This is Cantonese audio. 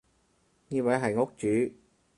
呢位係屋主